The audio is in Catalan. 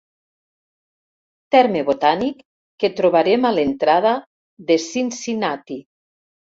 Terme botànic que trobarem a l'entrada de Cincinnatti.